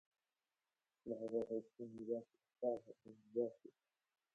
نابێ هیچ سابڵاغییەک بە لامەوە بێ!